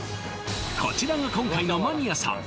こちらが今回のマニアさん